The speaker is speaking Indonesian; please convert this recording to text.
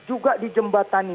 juga di jembatani